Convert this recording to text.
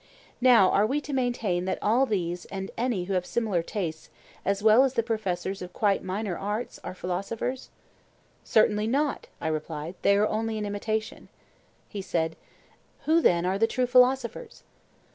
Now are we to maintain that all these and any who have similar tastes, as well as the professors of quite minor arts, are philosophers? Certainly not, I replied; they are only an imitation. He said: Who then are the true philosophers?